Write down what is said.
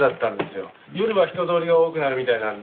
夜は人通りが多くなるみたいなので出直します。